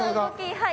はい。